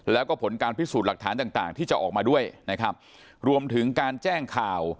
แล้วก็ผลการพิสูจน์หลักฐานต่างต่างที่จะออกมาด้วยนะครับรวมถึงการแจ้งข่าว